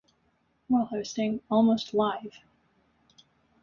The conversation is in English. While hosting Almost Live!